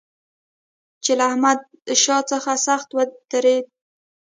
هغه له احمدشاه څخه سخت وېرېدی.